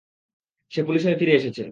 সে police হয়ে ফিরে এসেছে।